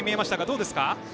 どうですか。